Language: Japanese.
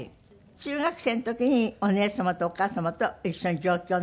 中学生の時にお姉様とお母様と一緒に上京なすって。